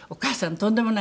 とんでもない！